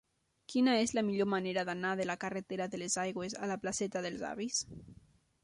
Quina és la millor manera d'anar de la carretera de les Aigües a la placeta dels Avis?